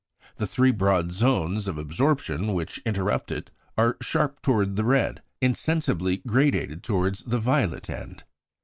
The three broad zones of absorption which interrupt it are sharp towards the red, insensibly gradated towards the violet end.